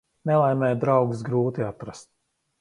Nelaimē draugus grūti atrast.